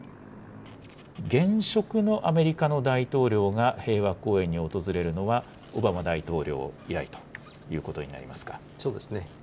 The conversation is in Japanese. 現職のアメリカの大統領が平和公園に訪れるのはオバマ大統領以来そうですね。